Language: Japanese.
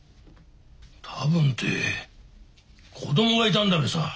多分って子供がいたんだべさ。